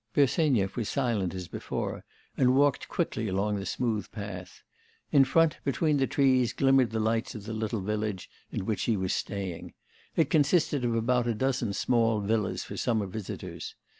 Bersenyev was silent as before, and walked quickly along the smooth path. In front, between the trees, glimmered the lights of the little village in which he was staying; it consisted of about a dozen small villas for summer visitors.